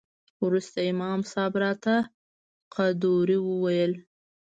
وروسته امام صاحب راته قدوري وويل.